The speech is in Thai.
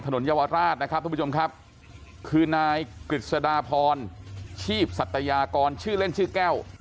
เยาวราชนะครับทุกผู้ชมครับคือนายกฤษฎาพรชีพสัตยากรชื่อเล่นชื่อแก้ว